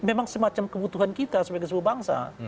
memang semacam kebutuhan kita sebagai sebuah bangsa